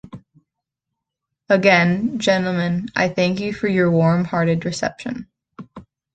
Again, gentlemen, I thank you for your warm-hearted reception.